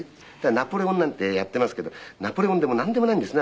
ナポレオンなんてやっていますけどナポレオンでもなんでもないんですね